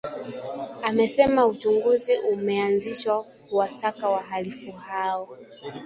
Amesema uchunguzi umeanzishwa kuwasaka wahalifu hao